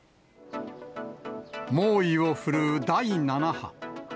猛威を振るう第７波。